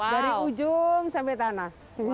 dari ujung sampai tanah